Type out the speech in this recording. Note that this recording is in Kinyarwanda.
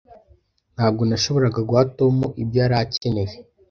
Ntabwo nashoboraga guha Tom ibyo yari akeneye.